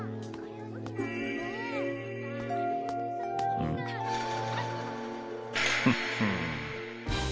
うん？フッフ。